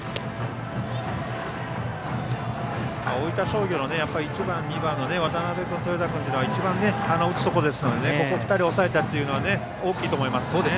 大分商業の１番、２番の渡邊君、豊田君というのは一番打つところですからここ２人を抑えたのは大きいと思いますね。